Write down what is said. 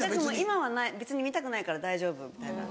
「今は別に見たくないから大丈夫」みたいな。